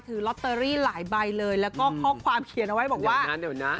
ถือล็อตเตอรี่หลายใบเลยแล้วก็พอกความเขียนเอาไว้บอกว่า